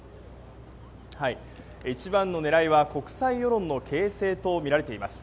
一番の狙いは国際世論の形成とみられています。